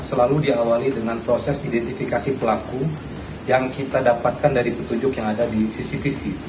selalu diawali dengan proses identifikasi pelaku yang kita dapatkan dari petunjuk yang ada di cctv